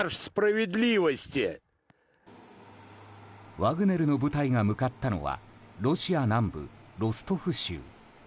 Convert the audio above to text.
ワグネルの部隊が向かったのはロシア南部ロストフ州。